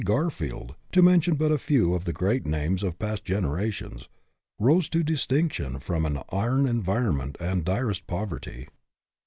Garfield to mention but a few of the great names of past generations rose to distinction from an iron environment and direst poverty.